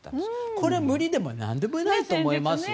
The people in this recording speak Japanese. これは無理でもなんでもないと思いますよ。